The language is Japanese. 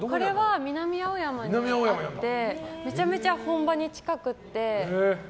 南青山にあってめちゃめちゃ本場に近くて。